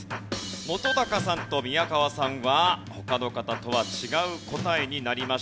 本さんと宮川さんは他の方とは違う答えになりました。